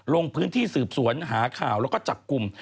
ลงพื้นที่สืบสวนหาข่าวแล้วก็จับกลุ่ม